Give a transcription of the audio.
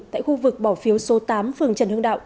tại khu vực bỏ phiếu số tám phường trần hương đạo